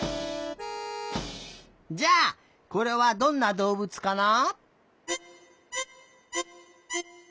じゃあこれはどんなどうぶつかな？